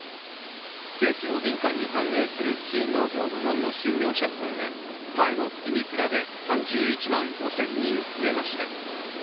景気を敏感に反映する非農業部門の就業者数が前の月に比べ、３１万５０００人増えました。